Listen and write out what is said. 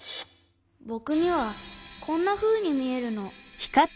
ぼくにはこんなふうにみえるの。